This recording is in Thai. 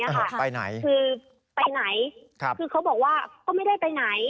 คือไปไหนคือเขาบอกว่าก็ไม่ได้ไปไหน